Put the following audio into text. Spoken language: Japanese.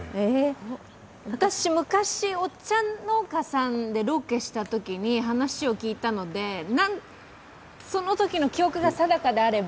私、昔、お茶農家さんでロケしたときに話を聞いたので、そのときの記憶が定かであれば、